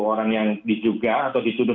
orang yang diduga atau dituduh